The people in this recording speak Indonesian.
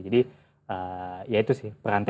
jadi ya itu sih perantik